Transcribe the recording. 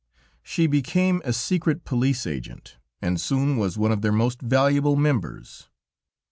She became a secret police agent, and soon was one of their most valuable members.